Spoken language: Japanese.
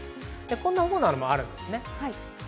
こんなものもあるんです。